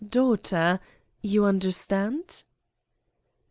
. daugh ter! You understand?"